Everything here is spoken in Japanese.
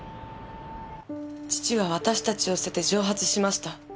父は私たちを捨てて蒸発しました。